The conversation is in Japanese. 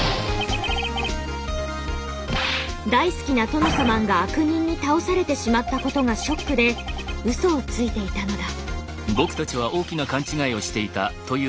大好きなトノサマンが悪人に倒されてしまったことがショックでウソをついていたのだ。